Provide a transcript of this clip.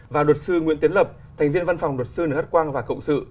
và đột sư nguyễn tiến lập thành viên văn phòng đột sư nữ hát quang và cộng sự